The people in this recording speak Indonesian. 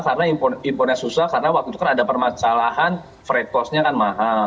karena impornya susah karena waktu itu kan ada permasalahan frade cost nya kan mahal